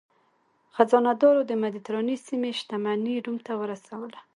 خزانه دارو د مدترانې سیمې شتمني روم ته ورسوله.